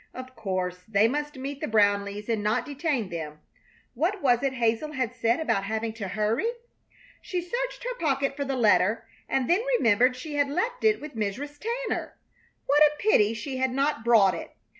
Of course they must meet the Brownleighs and not detain them. What was it Hazel had said about having to hurry? She searched her pocket for the letter, and then remembered she had left it with Mrs. Tanner. What a pity she had not brought it!